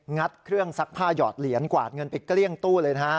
ัดเครื่องซักผ้าหยอดเหรียญกวาดเงินไปเกลี้ยงตู้เลยนะฮะ